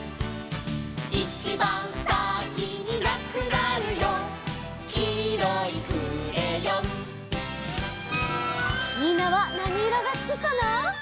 「いちばんさきになくなるよ」「きいろいクレヨン」みんなはなにいろがすきかな？